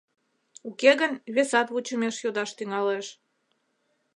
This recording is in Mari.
Уке гын, весат вучымеш йодаш тӱҥалеш.